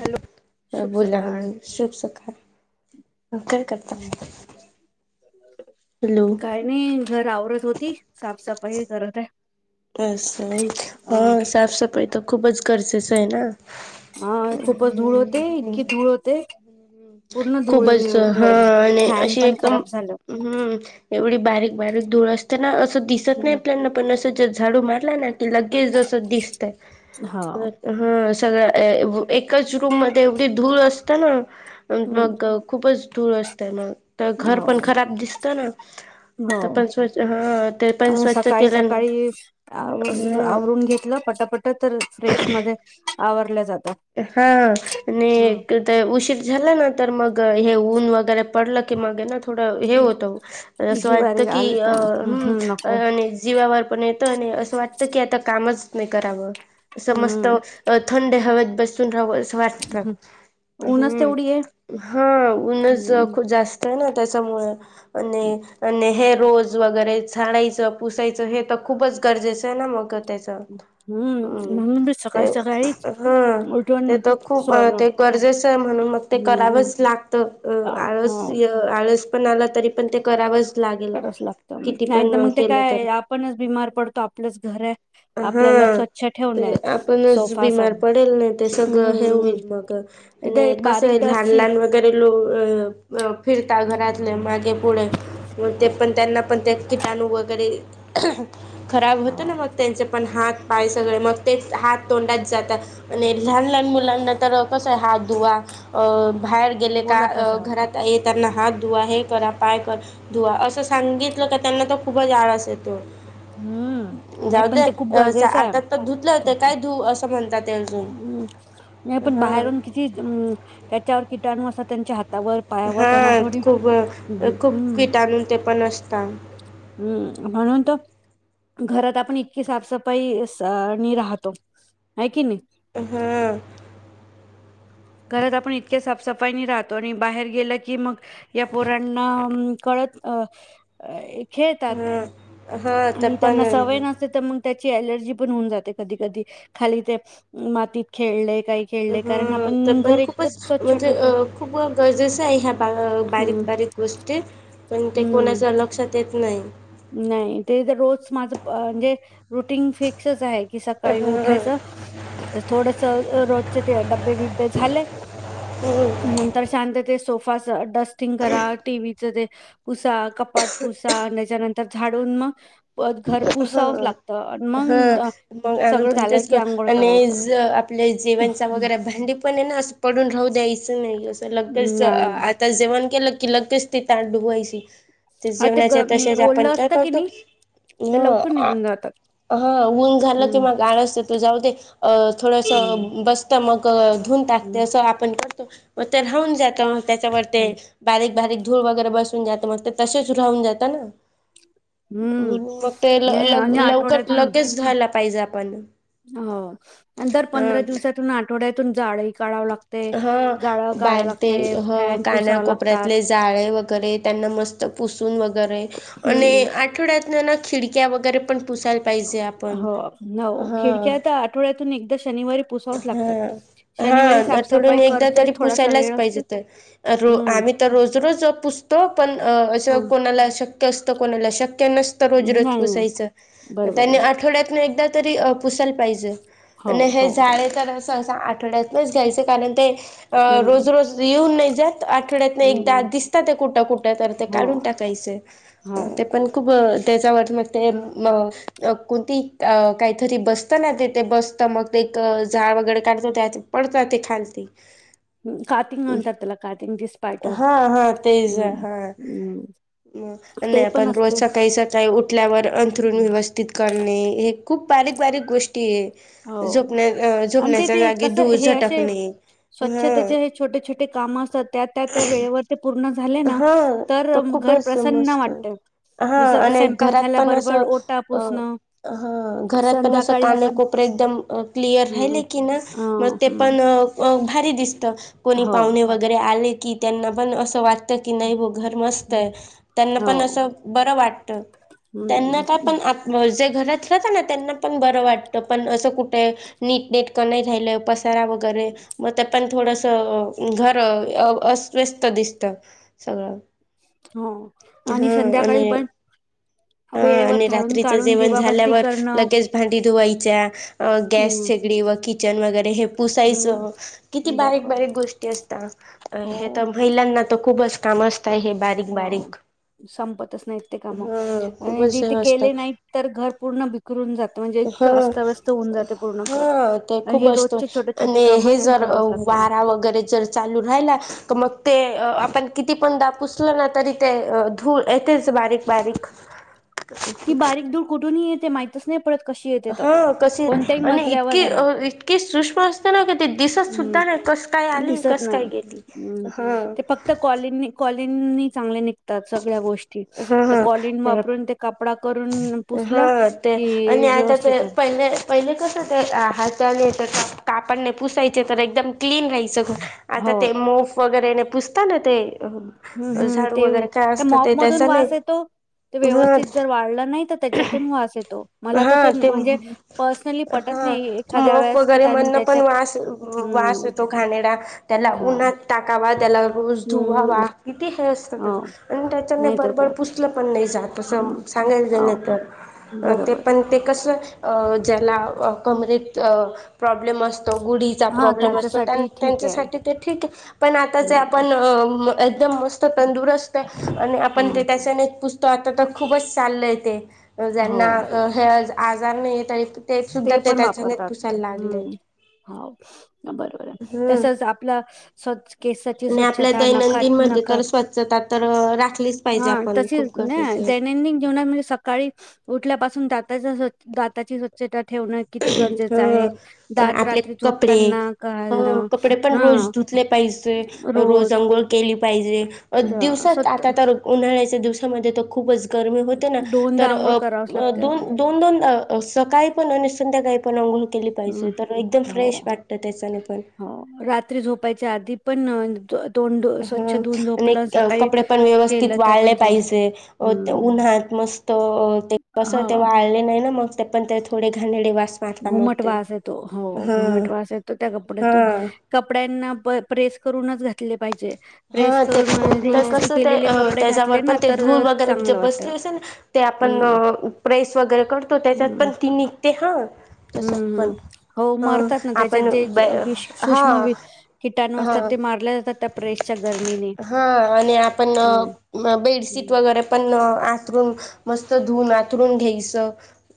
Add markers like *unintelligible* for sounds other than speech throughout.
Hello शुभ बोला सकाळ आणि शुख शुखाट नकल करता हॅलो काय नाही घर आवरत होती साफसफाई करत आहे अस हा साफ सफाई तर खूपच गरजेचं आहे ना हा खूपच धूळ होते इतकी धूळ होते पूर्ण धूळ खूपच हा आणि फॅन अशी पण एकदम खराब झालं हम्म एवढी बारीक बारीक धूळ असतना असं दिसत नाही आपल्याना पण असं झाडू मार ल ना की लगेच जस दिसतय हा हा सगळ एकाच रूम मध्ये एवढी धूळ असतें ना हम्म मग खूपच धूळ असतं मग तर घर पण हो खराब दिसत ना तर पण स्वच्छ हा ते पण हो स्वच्छ सकाळी केलं नाही सकाळी हा हम पटापटा तर फ्रेश मध्ये आवरल्या जात हा आणि ते उशीर झाला ना तर मग हे ऊन वगैरे पडलं की मगे ना थोडं हे होत असं वाटत जीवारी की आलत अ हम् हम हम् नको आणि जीवावर पण येत आणि अस वाटत की आता कामच नाही करावं असं मस्त हम्म थंड हवेत बसून राहावं असं वाटत् ऊनच हम तेवढी आहे हा उन्हच हम्म खूप जास्त आहे ना त्याच्यामुळे आणि आणि हे रोज वगैरे झाडायचं पुसायचं हे तर खूपच गरजेचं आहे ना मग त्याच्यात हम्म हम म्हणून मी सकाळी सकाळी हा ते उठून तर खूप सोय ते गरजेचं आहे म्हणून मग ते करावंच लागत अ आळस ये आ आळस पण आला तरी पण ते करावंच लागेल करावंच लागत किती नाही तर पण मग ते केलं तर काय आपणच बीमार पडतो आपलंच घर आहे हा आपल्याला स्वच्छ ते ठेवणय आपणच सोफासा बीमार पडेल नाही सगळ हे हम्म होईल मग आणि ते कसं बारीक आहे लहान डसची लहान वगैरे लो फिरता घरातले मागे पुढे मग ते पण त्यांना पण ते किटाणू वगैरे खराब होत हो ना मग त्यांचे पण हात पाय सगळे मग तेच हात तोंडात जातात आणि लहान लहान मुलांना तर कसं आहे हात धुवा अ बाहेर गेले का बोलतच अ राहत घरात येताना हात धुवा हे करा पाय करा धुवा असं सांगितलं का त्यांना तर खूपच आळस येतो हम्म नाही जाऊ दे पण ते खूप गरजेचं आहे आता तर धुतले होते खूप काय धू असं म्हणतात ते अजून हम्म नाही पण हा बाहेरून किती त्याच्यावर किटाणू असा त्यांचे हात हा खूप हम्म खूप हम्म किटाणू ते पण असता हम्म म्हणून घरात आपण इतकी साफसफाई नि राहतो आहे की नाही हम्म. घरात आपण इतक्या साफसफाई नी राहतो आणि बाहेर गेलं की मग या पोरांना कळ अ खेळतात हा हा ते आणि पण त्यांना सवय नसते तर मग त्याची अलर्जी पण होऊन जाते कधी कधी खाली ते मातीत खेळले काही खेळले कारण ह तर आपण पण घर एकदम खूपच स्वच्छ म्हणजे ठेवतो खूप गरजेच आहे ह्या हम्म बारीक बारीक गोष्टी पण ते हम्म कोणाच्या लक्षात येत नाही नाही ते तर रोज माझ म्हणजे रुटीन फिक्सच आहे- *inaudible* कि सकाळी हा उठायचं थोडस रोजचे ते डब्बे -बिब्बे झाले नंतर शांत ते सोफा डस्टिंग करा टीव ते पुसा कपाट पुसा आणि त्याच्यानंतर झाडून मग प घर हा पुसावंच लागतं आणि हा मग अ, मग आम्ही सगळं पण झालं तेच की कर अंघोळ आणि करायचं. आप जीवनचा वगैरे भांडी पण ना पडून राहू द्यायचं नाही असं लगेच नाही आता जेवण केलं की लगेच ती ताट दूवायची ते हा ग जेवणाचे हम्म, तसेच आपण ओलं काय असतं की करतो- नाही ते लवकर ह निघून जातात. हा ऊन झालं की हं, मग आळस येतो जाऊदे थोडस हं, बसत मग धुून टाकते हं, असं आपण तर राहून जात त्याच्यावर ते हं, बारीक बारीक धूळ वगैरे बसून जात मग ते तसेच राहून जात ना हं. म्हणून मग ते ल नाही ल आणि लवकर आठवड्यातून लगेच धुवायला पाहिजे आपण हो दर हा पंधरा दिवसातून आठवड्यातून जाडुन काढावं लागत- ह बार ते ह फॅन पुसावं लागतात. कानाकोपऱ्यातले जाळे वगैरे त्यांना मस्त *unintelligible* पुसुून वगैरे आणि हं. आठवड्यातल्या ना खिडक्या वगैरे पण *unintelligible* पुसायला पाहिजे आपण हो हो हा खिडक्या तर *unintelligible* आठवड्यातून एकदा शनिवारी पुसावच लागतात. हा शनिवारी हा थोड साफसफाई एकदा करतेच तरी थोडासा पुसायलाच वेळ पाहिजे असतो तर हम्म आम्ही *unintelligible* तो पण *unintelligible* हम्म त शक नाही नतजजयच बरोबर आहे आवड *unintelligible* तरी पुसल पाहिजे *unintelligible* हो हो *unintelligible* सहसा आठवड्यातच घ्यायच कारण ते हम्म रोज रोज येऊन नाही *unintelligible* आठवड्यातून एकदा हम्म दिसत ते कुठं कुठं तर ते हो काढून टाकायचं हो ते पण खूप त्याच्यावरन मग ते कुठीत काहीतरी बसतं ना ते ते बसतं मग एक झाड वगैरे काढतो त्या पडत ते खालती हम् काातिंग म्हणतात त्याला काातिंग दिीस पाारयटर हा हा तेच हम्म हा हम्म नाही ते पण आपण रोज असते सकाळी सकाळी उठल्यावर अंथरुण हम्म. व्यवस्थित करत हे खूप बारीक बारीक गोष्टी आहेत हो झोपण्या आणि ते झोपण्याच्या ते जागी कसं धूळ हे असे झटकणे हा स्वच्छतेचे हे छोटे छोटे काम असतात त्या त्या त्या वेळेवर ते पूर्णच हा तर खूपच मस्त वाटत हा जस आणि स्वयंपाक घरात पण झाल्याबरोबर असं ओटा अ ह पुसणं अ ह घरात पण असं संध्याकाळी पण कानेकोपरे एकदम क्लिअर हम्म राहिले की ना अ मग ते अ अ हम्म पण भारी दिसतं कोणी हो पाहुणे वगैरे आले की त्यांना पण असं वाटतं की नाही बाबा मस्त हम्म, त्यांना पण अस हो ब वाटत त्यांना का हम्म पण *unintelligible* *unintelligible* त्यांनाण ब वाट पण अस कुठ नीटट नाही रा वगैरे मग तर पण थोडस घर -अस्व्यस्त दिसत सगळं *unintelligible* हो आणि हा संध्याकाळी आणि पण हा वेळेवर आणि झाडून रात्रीचं काढून जेवण दिवाबत्ती -झाल्यावर करणं लगेच भांडी धुवायच्या अ गॅस हम्म शेगडी व किचन वगैरे हे पुसायचं हम्म किती बारीक बरोबर बारीक गोष्टी असतात अ हो हे तर महिलांना तर खूपच काम असतंय हे बारीक- हो बारीक संपतच नाहीत ते काम, हा खूपच हे जथे असत केले नाहीत तर घर पूर्ण बिकरून जात म्हणजे ह इतकं अस्ताव्यस्त होऊन जाते पूर्ण घर -हा ते आणि खूप हे असतो रोजचे छोटे छोटे आणि काम आहे हे पण जर करावच लागतात वारा वरे ल राग *unintelligible* किती पण दा पुसलं ना तरी ते धूळ येतेच बारीक बारीक *unintelligible* ती बारीक दूर कुठूनही येते माहितच नाही- *inaudible* येते तर हा कसे कोणत्याही आणि मजल्यावर इतकीे राहा इतके सूक्ष्म असते ना का ते *unintelligible* दिसत हम्म सुद्धा नाही कस काय आली दिसत कस नाही. काय गेली हा- *inaudible* कॉलीनी चांगले नि सगळ्या गोष्टी हा तर हा कॉलीन वापरून ते कपडा करून पुसला हा ते की आणि आता ते पहिले पहिले कसं ते कापड पुसायचे तर एकदम क्लीन राहायचं घर आता हो ते गरे पुूसता ना ते हम्म हम्म झाडू ते वगैरे त्या त ते मॉप त्याच मधून नाही वास येतो. ते व्यवस्थित जर वाढला नाही तर त्याच्यातून वास येतो मला हा तर ते म्हणजे पर्सनली हा पटत नाही एखाद्या मोफ वेळेस वगैरे त्यां त्याच्या वास हम्म येतो घाणेरडा त्याला हा उन्हात टाकावा त्याला रोज हम्म धुवावा किती हे असत हो त्याच आणि त्याच्याने नाहीतर भरभर काय पुसलं पण नाही जात हम्म सांगायला झाले हो तर ते बरोबर पण ते ज्याला कमरेत प्रॉब्लेम अस गुढीचा हा प्रोब्लेम असतो त्याच्यासाठी ठीक आहे. त्यांच्यासाठी ठीक पण आता जे हम्म आपण एकदम मस्त तंदुरस्त आणि आपण हा ते त्याच्याने पुसतो आता तर खूपच चाललंय ते अ हो ज्यांना हे आजार नाही येत ते पण वापरतात हम्म हो बरोबर हम्म तसच आपल आणि आपल्या स्वचछ न दैनंदिन न मध्ये तर स्वच्छता तर राखलीच पाहिजे हा आपण तशी खूप ना गरजेचं आहे जेवणामध्ये सकाळी उठल्यापासून दाताची, स्वच्छता ठेवणं किती गरजेचं आहे, ह दात आपले रात्री कपडे झोपताना ह घलणं कपडे पण हा रोज पाहिजे रोज, अंघोळ केली, पाहिजे दिवसात स्वत आता तर उन्हाळ्या दिवसामध्ये खूपच गरमी होते ना, दोनदा तर आंघोळ करावच लागते दोन दोन दोन अ सकाळी पण आणि संध्याकाळी पण आंघोळ केली पाहिजे. हम्म तर एकदम हो फ्रेश वाटत त्याच्याने पण हो रात्री झोपायच्या आधी पण तोंड धु- ह स्वच्छ धुवून आणि झोपलं सकाळी कपडे पण व्यवस्थित केलं तर वाळले पण चांगलं. पाहिजे, हम्म उन्हात मस्त ते कस ते हा वाळले नाही ना मग ते पण थोडे घाणेरडे घुमटवास येतो हो घुमटवास येतो त्या कपड्यातून हा कपड्यांना प्रेस करूनच घातले पाहिजे. हा प्रेस ते करून म्हणजे इस्त्री कस ते केलेले कपडे त्याच्यावर घातले पण ना ते तर धूळ अ, वैगेरे चांगलं वाटत बसली असेल ना आपण हम्म प्रेस वैगेरे करतो, त्याच्यात हम्म पण ती निघते हा तसत हम्म हम्म पण हो ह मरतात ना त्याच्यात आपण जे वि हा सूक्ष्म किटाणू हा असतात, ते मारल्या जातात त्या प्रेसच्या गरमीने हा आणि आपण हम्म बेडशीट हम्म. वैगेरे पण आथरून मस्त धुवून आथरून घ्यायचं,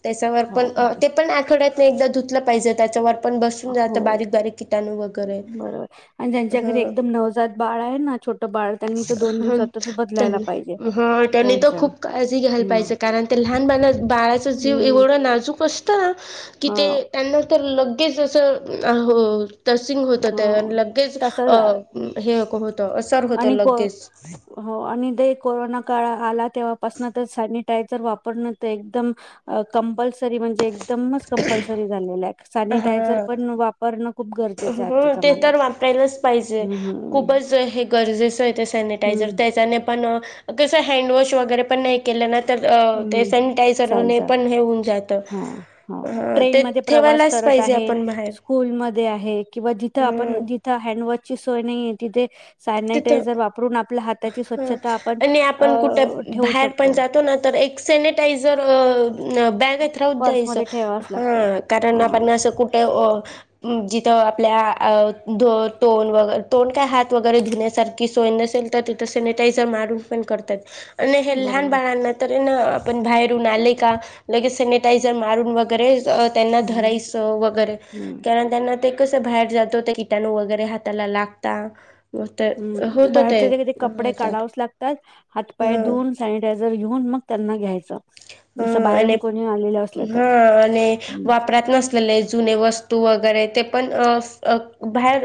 त्याच्यावर हो पण ते पण आठवड्यातून एकदा धुतलं पाहिजे त्याच्यावर आपण बसून जात हो बारीक बारीक किटाणू वगैरे बरोबर आणि ज्यांच्या ह घरी एकदम नवजात बाळ आहे ना छोटं बाळ त्यांनी तर दोन ह दिवसातच बदलायला पाहिजे हा त्यांनी तर त्यांच खूप काळजी घायल हम्म पाहिजे. बाळा जीव हम्म एवढ नाजूक असत ना की हा त्यांणा तो ले असंसिंग होत ते हा लगेच तसच अ हे असर होतं आणि लगेच हो आणि ते कोरोना काळ आला--, तेव्हा पासून तर सेनिटायझर वापरणं ते एकदम अ कम्पल्सरी म्हणजे एकदमच कंपलसरी झालेल आहे हा सॅनिटायझर पण वापरणं खूप गरजेचं आहे. हो आजच्या ते जमान्यात तर वापरायलाच पाहिजे, हम्म हम्म खूपच हे गरजेचं आहे ते सॅनिटायझर हम्म त्याच्याने पण कसं हँडवॉश वगैरे पण नाही केलं ना ते हम्म सेनिटायझरने चालत पण हे होऊन जात हा हा ते ट्रेनमध्ये प्रवास ठेवायला. करत स्कूलमध्ये आहे, किंवा जिथ हम्म आपण जिथे सोय नाही तिथे तिथं सॅनिटायझर वापरून आपल्या हाताची हं स्वच्छता आपण आणि आपण अ ठेवू शकतो. सॅनिटाईझर अ बॅंक द्यायच पर्समध्ये ठेवाच लागते हा कारण हा आपण असं कुठे अ जिथं आपल्या तोंड वगैर तोंड काय हात वगर वगैरे धुण्यासारखी सोय नसेल तर तिथे सॅनिटायझर मारून पण करतात आणि हे लहान बरोबर बाळांना तर ना आपण बाहेरून आले का, लगेच सॅनिटायझर मारून वगैरे त्यांना हम्म धरायचं वगैरे हम्म कारण त्यां ते कसं बाहेर जातो, त्या किटाणू वगैरे हाताला लागता, मग तर हम् होत ते बाहेरचे क कपडे आजार काढावच लागतात, हात पाय धऊून, सॅनिटाय रेऊन मग त्यांना घ्यायच. अस बाहेरून कोणी आलेलं असल्या तर जु वस्तू वगैरे पण बाहेर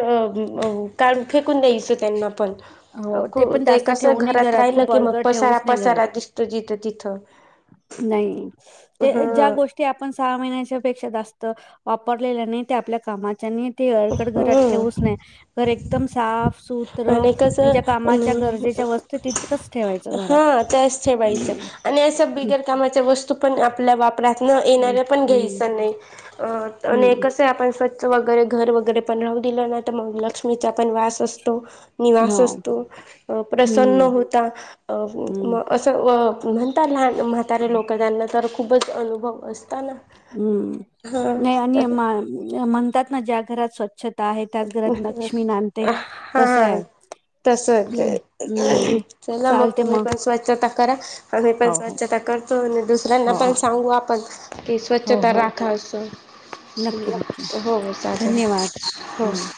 का फेक तस त्यांना पण हो खू पण ते जास्त कसं ठेवू नये घरात राहिलं खूप की मग अडगळ पसारा ठेवूच नाही घरात पसारा दिसत जिथं तिथं नाही हा ज्या गोष्टी आपण सहा महिन्याच्या पेक्षा जात. वापरलेल्या नही ते आपल्या कामा नी ते अडगड घरात ठेवऊच हम्म नाही घर एकदम साफ सूत्र आणि म्हणजे ज्या कामाच्या कसं गरजेच्या वस्तू तितकंच ठेवायचं घरात हम् संभिगता गोष्ट म्हणजे आपल्या बाब घरातून येणार्या पण हम्म घ्यायच नाही हम्म कस आपण स्वच्छ वगैरे घर वगैरे वगैरे पण राहू दिलं ना, तर मग लक्ष्मीचा पण वास असतो. निवास हो असतो प्रसन्न हम्म होता अ हम्म म असं व म्हणतात लहान म्हातारे लोक त्यांना तर खूपच अनुभव असताना हम्म हा नाही आणि तर म्हणतात ना ज्या घरात स्वच्छ ता आहे त्याच घरात लक्ष्मी नांदते हा तस आहे. तस हम्म हम्म चला मग तुम्ही पण स्वच्छता करा आम्ही पण हो हो स्वच्छता करतो आणि दुसऱ्यांना हो पण सांगू आपण की हो हो स्वच्छता हो. राखा अस हो नक्की ठेवूया हो चालेल. हो हम्म